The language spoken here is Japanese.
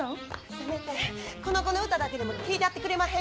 せめてこの子の歌だけでも聴いたってくれまへんやろか。